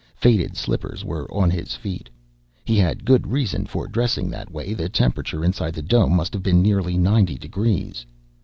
Faded slippers were on his feet. He had good reason for dressing that way, the temperature inside the dome must have been nearly ninety degrees.